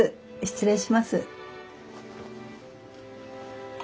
失礼します。